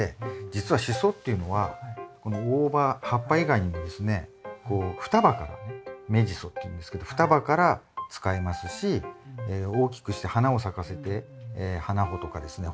実はシソっていうのはこの大葉葉っぱ以外にもですねこう双葉からね芽ジソっていうんですけど双葉から使いますし大きくして花を咲かせて花穂とかですね